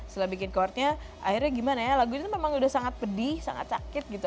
setelah bikin courtnya akhirnya gimana ya lagu itu memang udah sangat pedih sangat sakit gitu